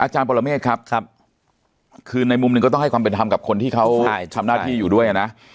ปรเมฆครับคือในมุมหนึ่งก็ต้องให้ความเป็นธรรมกับคนที่เขาทำหน้าที่อยู่ด้วยนะ